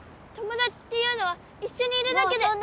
友達っていうのは一緒にいるだけで。